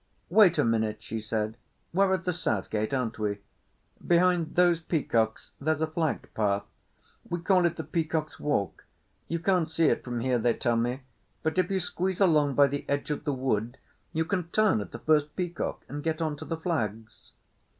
"Wait a minute," she said. "We're at the South gate, aren't we? Behind those peacocks there's a flagged path. We call it the Peacock's Walk. You can't see it from here, they tell me, but if you squeeze along by the edge of the wood you can turn at the first peacock and get on to the flags."